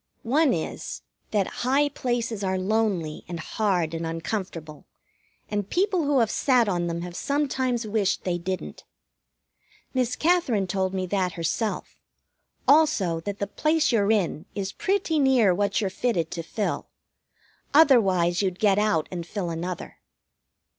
One is that high places are lonely and hard and uncomfortable, and people who have sat on them have sometimes wished they didn't. Miss Katherine told me that herself, also that the place you're in is pretty near what you're fitted to fill. Otherwise you'd get out and fill another.